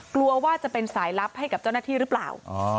กลัวว่าจะเป็นสายลับให้กับเจ้าหน้าที่หรือเปล่า